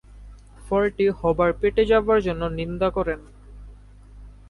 ফলটি হবার পেটে যাবার জন্য নিন্দা করেন।